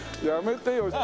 やめてよ。